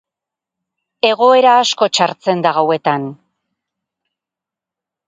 Egoera asko txartzen da gauetan.